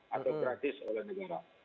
atau gratis oleh negara